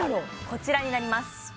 こちらになります